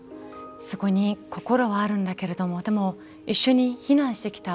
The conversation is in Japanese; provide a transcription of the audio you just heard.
そこに心はあるんだけれどもでも一緒に避難してきた